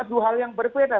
aduh hal yang berbeda